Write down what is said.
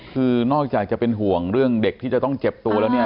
คือนอกจากจะเป็นห่วงเรื่องเด็กที่จะต้องเจ็บตัวแล้วเนี่ย